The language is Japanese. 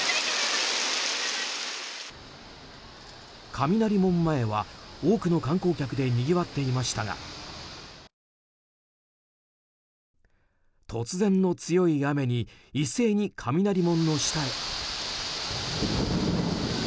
雷門前は多くの観光客でにぎわっていましたが突然の強い雨に一斉に雷門の下へ。